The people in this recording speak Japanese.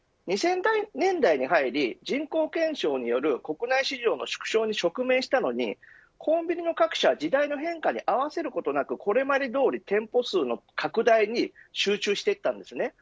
２０００年代に入り人口減少による国内市場の縮小に直面したのにコンビニや時代の変化に合わせることなくこれまでどおり、店舗数の拡大に集中していきました。